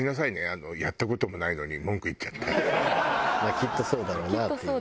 きっとそうだろうなっていうね。